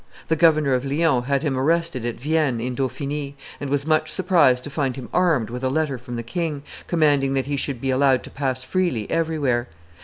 The governor of Lyons had him arrested at Vienne in Dauphiny, and was much surprised to find him armed with a letter from the king, commanding that he should be allowed to pass freely everywhere.